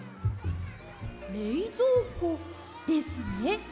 れいぞうこですね。